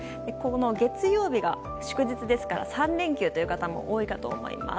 月曜日が祝日ですから３連休という方も多いと思います。